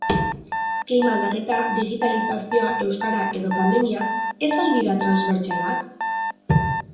Klima-aldaketa, digitalizazioa, euskara edo pandemia ez al dira transbertsalak?